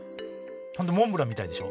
本当モンブランみたいでしょ？